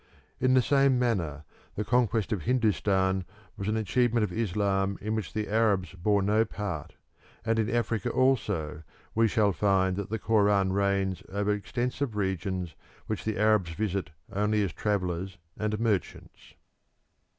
In the same manner the conquest of Hindustan was an achievement of Islam in which the Arabs bore no part, and in Africa also we shall find that the Koran reigns over extensive regions which the Arabs visit only as travellers and merchants.